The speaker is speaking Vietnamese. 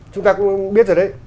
chúng ta cũng biết rồi đấy